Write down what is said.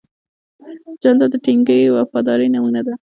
جانداد د ټینګې وفادارۍ نمونه ده.